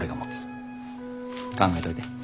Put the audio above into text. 考えといて。